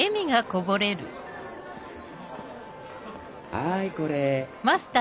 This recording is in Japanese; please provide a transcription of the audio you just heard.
はいこれ。